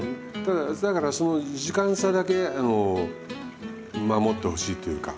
だからその時間差だけ守ってほしいというか。